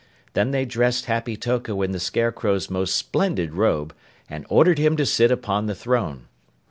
Then they dressed Happy Toko in the Scarecrow's most splendid robe and ordered him to sit upon the throne.